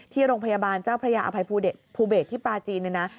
ที่โรงพยาบาลเจ้าพระยาอภัยภูเบสที่ปลาจีนเนี่ยนะ